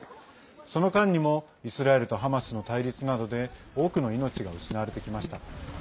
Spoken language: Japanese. その間にもイスラエルとハマスの対立などで多くの命が失われてきました。